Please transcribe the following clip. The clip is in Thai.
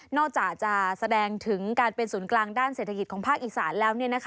อกจากจะแสดงถึงการเป็นศูนย์กลางด้านเศรษฐกิจของภาคอีสานแล้ว